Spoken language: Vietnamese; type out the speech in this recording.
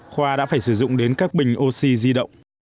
khoa đã phải sử dụng đến các bình oxy di động